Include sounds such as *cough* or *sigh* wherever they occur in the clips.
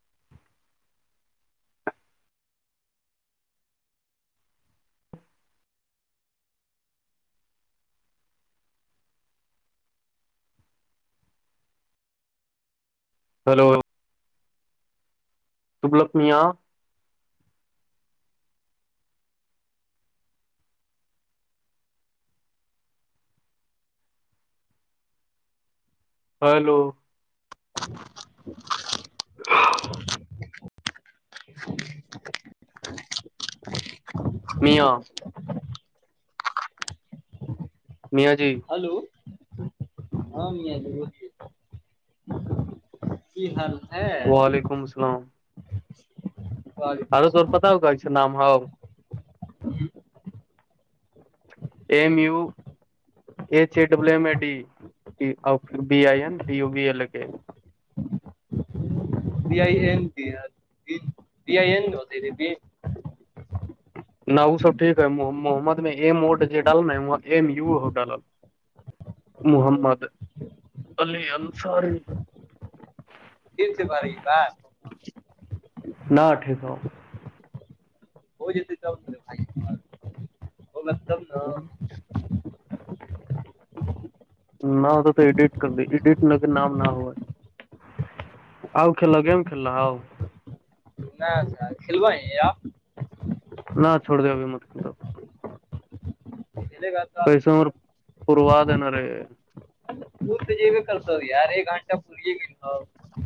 *unintelligible* hello دبلک میاں hello *unintelligible* *unintelligible* *unintelligible* میاں نیا جی ہلو ہاں م آ کی حال ہے وعلیکم السلام وعلیکم ہرے ت السلام پتا ہو کہ نام ہو M U H E D E ا ڈیئی پ آئی بی آئیین نہیں ہوتی نہ وہ سب ٹھیک ہے محمد میں ایم ووڈ ڈالل نا M you ڈالل Muhammad Ali Ansari catch پ رہےپا نہ اٹھے سو ہو ج چگ *unintelligible* نہ ہو تو تو ایڈٹ کر د ایڈٹ نگر نام نہ ہوائے آؤ کھیل گم کل آ نہچھ کلو ہے آ نہ چھوڑ دے ا بھی مت ک تو جے گات کئی سمر پوروا دینے پور تو ج بھی کرتا ہ یار ایک گھنٹا پوری گئی ہ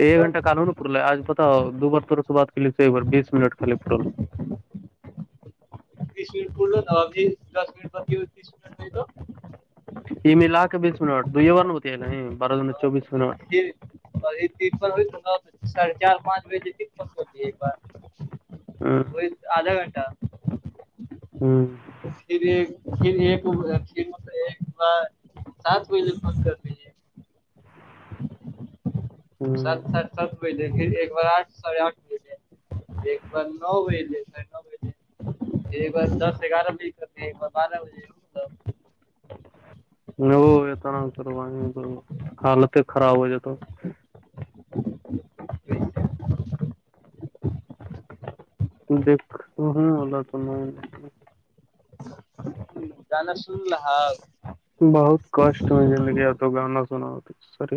ایک گنٹہ کال نا پل آج پتا ہو دو بار تورے سے بات کر ایک بار بیس منٹ خالی پ پ لو ابھی دس مٹ ب ہو تیس مٹ یہ م لھ کے بیس منٹتا دو تو یہیور ن ہوتی ہے ن نہیں برا تن ہو ساھے چار پانچ بجے ت فن کر دیے ایک بار وہئی آدھا گھنٹہ ہوں پھر ایک پھر ایکھر مطب ایک سات مہل بند کر رہ سب سات سب ھر ایک بار آٹ ساھے آٹھ بج ایک بار نو بجل ساڑھے نو بج ایک بار دس گیارہ بجے کرتے ہیں ایک بار بارہ بجے نہیں وہ اتنا چلو تو حالتیں خراب ہو جاتا دیکھ ہوں اللہ تو نہیں گانا سن ل ہ بہت کسٹ میں زندگی آ تو گانا سنا سر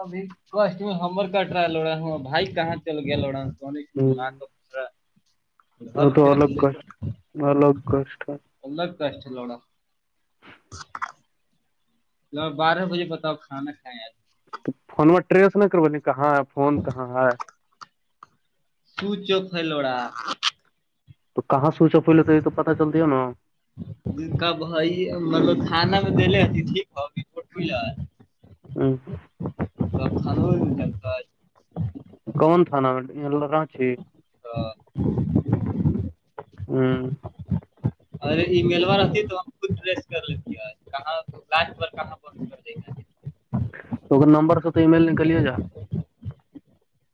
ابھی کٹ میں ہمر کٹرا لوڑا ہوں بھائی کہاں چل گیا لوڑا *unintelligible* ا تو کے رکھ الگ ک الگ کش اللہگ کاس لوڑا ل بارہ بجے بتاؤ کھانا کھیں آ فون میںا ٹریس نہیں کربول ن کہاں ہے فون کہاں ہے سو چو خ لوڑا تو کہاں سوئچ آپ ہو لیتا یہ تو پتا چلتی ہے ہو نا کاب بائی مطلب تھانہ میں دے ہتی ٹھ رٹ *unintelligible* تو خانو ہو گ کون تھاانا رانچی *inaudible* ار ای میلوار آتی ہے تو ہم خود رریس کر لیتی کہاں کہاں پر کر تو نمبر سے تو ای میل نکلے جا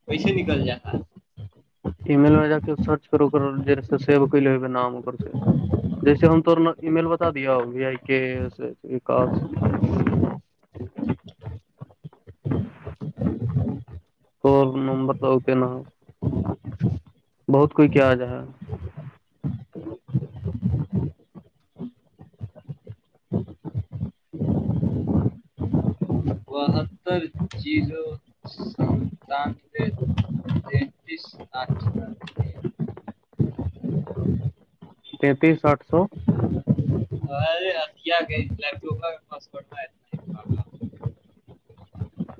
پیسے نکل جاتا ای میل میں جا کے سرچ کرو ج سیو کر لو نام سےی جیسے ہم تور ای میل بتا دیا و آئی کےا تو نومبر تو ہوتے نہ ہو بہت کوئی کیا جائے ر چیزوں ستان اچھا تینتیس سٹھ سو *inaudible* کیا گپٹپ کا پاس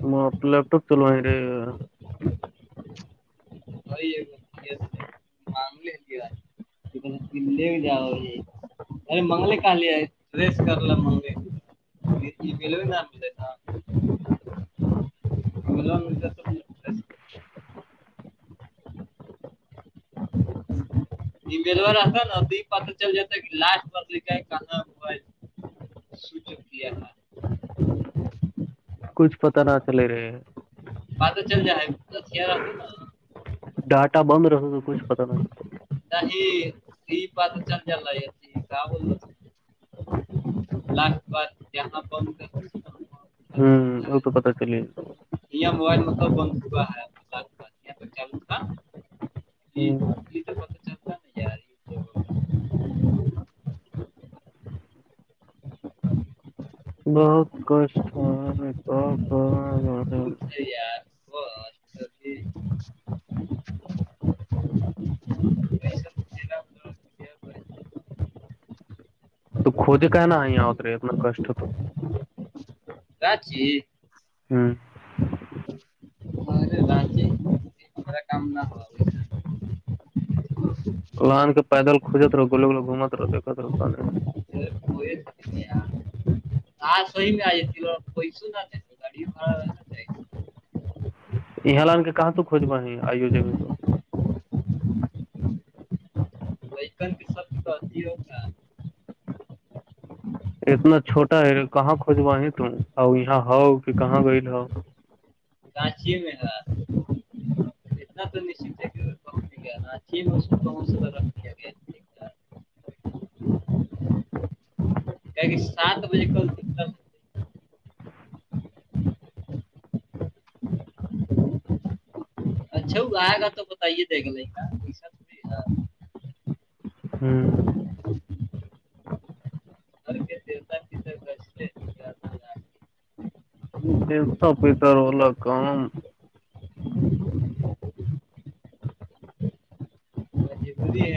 م لپٹپ چلوے بھ ہے *inaudible* معاملے کیا *inaudible* دو دیاو یہ ارے منگل کال ہے فریس کر ل مگل ملو ن آاممیل نا مل ملتا یہ ملو رہتا نا پتا چل جتا لاسٹ لکھ کہاں ہو س چکیا ہ کچھ پتا نہ چلے رہے ہیں باں تو چل جائے ہے ا رہتا ن ڈاٹا بند رہتا تو کچھ پتا نہ چلتا نہیں ہی یہ بات چل جلہ کا ب *inaudible* *inaudible* ہوں ا تو کتاا چلیے یہ موبائل مطلب ب چا ہے اللہ کی بات یہ تو چل تھا یہ ہوں تو پتہ چلتا نہیں یار یہ بہت کشٹ کا سار تو کوجے کا ہے نا آ اترے اتنا کشٹ تو چی ہوں ہمارے رانچی ہمارا کام نہ ہو لان کے پیدل کوجت رہو گولے گول گھومت رہو رہود کوئے نہیں ہاں سوی میں آج ت پیسوں نہ تھا گایا یہاں لان کے کہاں ت کوجوا ہے آئیو جگی تو چکن کی سب تو اھی ہوگ اتنا چھوٹا ہے کہاں کھجویں ت ا یہاں ہو کہ کہاں گئی ہو کچی میں تھا آ توشچ ہے اچی ب م رکھتیے کہ کہ سات بجے کل د اچھ آئے گا تو بتائیے دیکھ لے گ ہوں گھر کے دیوتا پتر کیسے دیتا پہتارولا کام ضروری ہے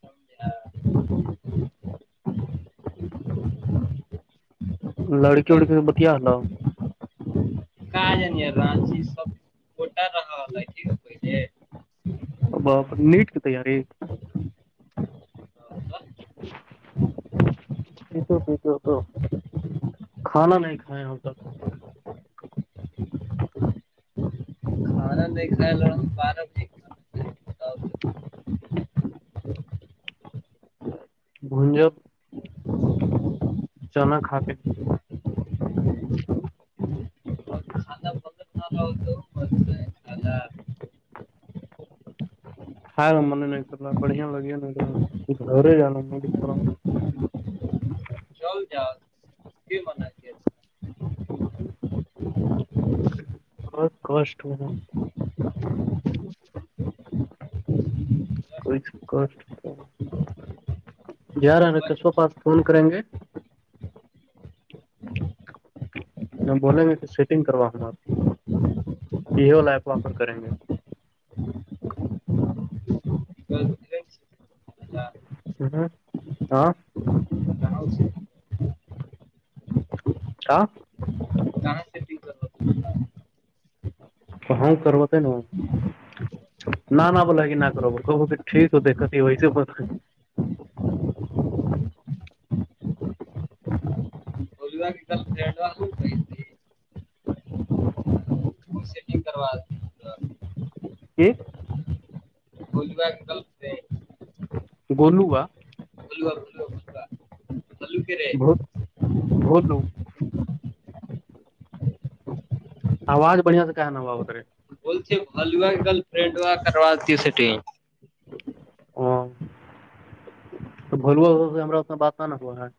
سمجھا لڑکی وڑکی سے بتیا سناا کیا ج راچی سب گوٹا رہا لگ ا نیٹ کی تیاری *unintelligible* ت تو تو کھانا نہیں کھاائے ہم تک آندیک ل فارت گھجب جناکا کھانا بندر بنا رہا ہو تو مست ہے کھانا کھائےا من نہیں کرنا بڑھیا لگے ن گھر جانا م چل چد ج منا بہت کوسٹ ہو کو کوسٹ جا رہا ر سو پاس فون کریں گے بولیں گے کہ سیٹنگ کرواؤاپ یہ وال ایپ واپر کریں گے ہ آ کہاں سے ہ جان ستی ج کہاں کروتے ہے نا نہ نہ بلاگ نہ کرو ب ٹھیک ہو دقت ہی ہوی ب ڈ وہ سیٹنگ کروا ج بوجو گل سے گولوا بولوا ب با ک ب بول لو آواز بڑھیا سے کہ ہے ن با اتے بولتےو گرل فرینڈ و کر دی سٹی ا تو بولو ہم انا بات نہ نہ ہوا ہے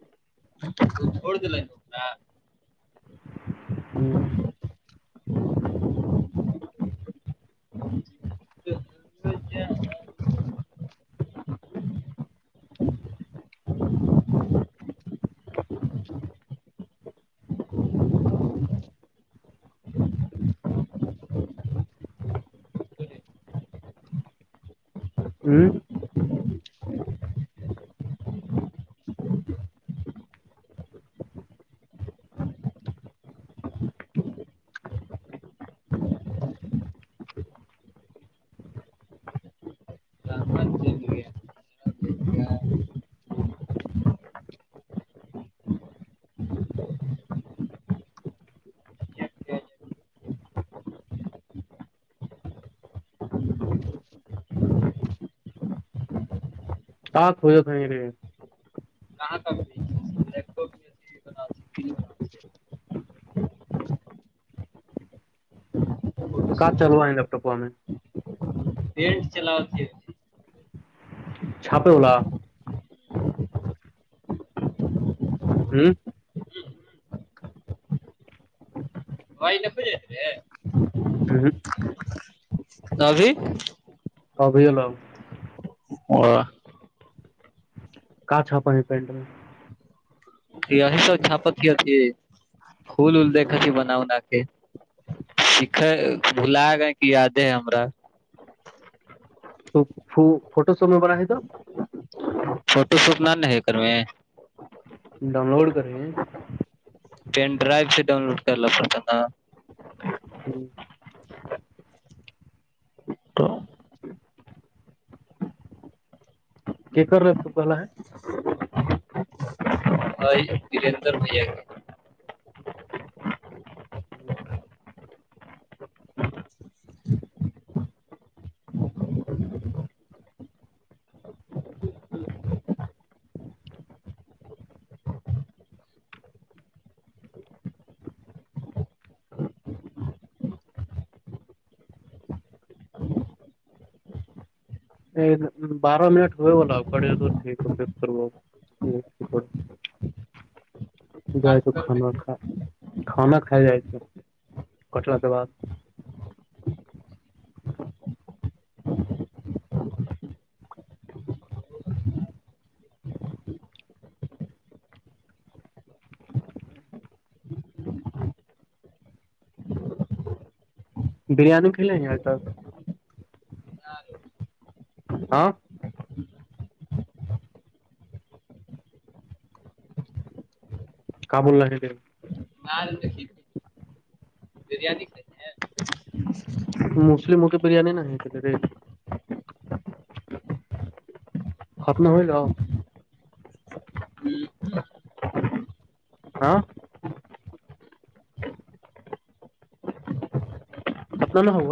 ڑ د لوکتاا ہوں ہوں اسٹاپ ہو ج تھا یہیرے ہ س ک چلوا ہے لیپٹاپ آ ہم میں پینٹ چلاؤتی چھاپے الا ہی ول پوجےتے *unintelligible* ابھی *unintelligible* *unintelligible* کا چھاپا ہے پینٹ میں ا تو چھاپک کی ت کھول ول دیکھاتی بناؤ ن کے سکھ بھلا گ کی یاد ہے ہمرا تو ف فوٹو سمی بر ہے تو فوٹو شوپ ن ہے کر میں ڈاؤن لوڈ کریں پین ڈرائیو سے ڈاؤن لوڈ کرنا پڑتا نا ہوں تو کیا کر رہے تمہا ا پلر بھیا گ *unintelligible* *unintelligible* بارہ منٹ ہو وہ لگ پڑیے تو ٹھیک ا پیک کر جائے تو کھانا کھانا کھ جائے کٹلا کے بعد *unintelligible* برییاانی کھ لے نہیں آتار ہاں کاب اللہ د نان بریانی مسلم ہو کے بریانی نہ ہے کہلے ریٹ خپن ہو جا ہاں خپنا نہ ہو